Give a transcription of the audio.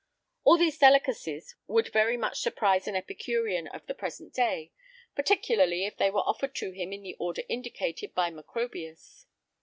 All these delicacies would very much surprise an epicurean of the present day, particularly if they were offered to him in the order indicated by Macrobius.